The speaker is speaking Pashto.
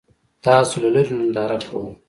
تاسو له لرې ننداره کوئ.